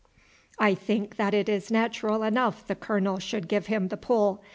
I think that it is natural enough the colonel should give him the pull.